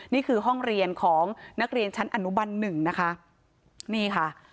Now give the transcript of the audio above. นี่คือห้องเรียนของนักเรียนชั้นอนุบัน๑นะคะ